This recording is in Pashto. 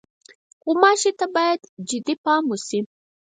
غوماشې ته باید جدي پام وشي.